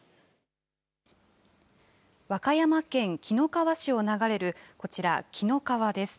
和歌山県紀の川市を流れるこちら、紀の川です。